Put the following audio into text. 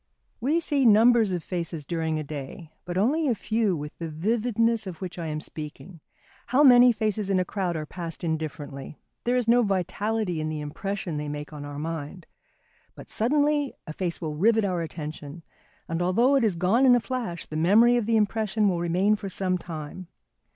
We see numbers of faces during a day, but only a few with the vividness of which I am speaking. How many faces in a crowd are passed indifferently there is no vitality in the impression they make on our mind; but suddenly a face will rivet our attention, and although it is gone in a flash, the memory of the impression will remain for some time.